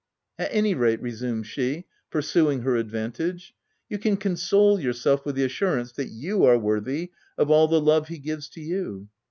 " At any rate," resumed she, pursuing her advantage, " you can console yourself with the assurance that you are worthy of all the love he gives to you."